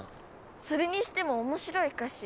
それにしても面白い歌詞。